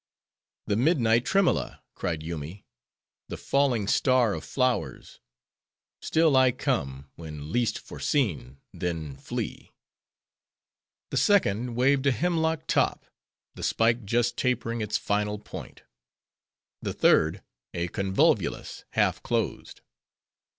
"The Midnight Tremmella!" cried Yoomy; "the falling star of flowers!— Still I come, when least foreseen; then flee." The second waved a hemlock top, the spike just tapering its final point. The third, a convolvulus, half closed.